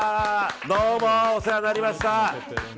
どうもお世話になりました！